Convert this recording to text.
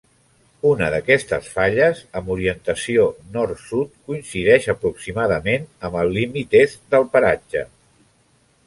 Una d'aquestes falles, amb orientació nord-sud, coincideix aproximadament amb el límit est del paratge.